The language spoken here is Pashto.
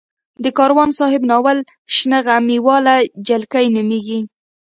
د کاروان صاحب ناول شنه غمي واله جلکۍ نومېږي.